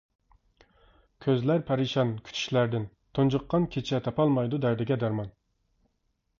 كۆزلەر پەرىشان كۈتۈشلەردىن تۇنجۇققان كېچە، تاپالمايدۇ دەردىگە دەرمان.